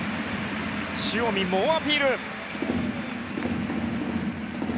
塩見、猛アピール。